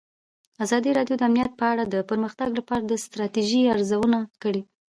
ازادي راډیو د امنیت په اړه د پرمختګ لپاره د ستراتیژۍ ارزونه کړې.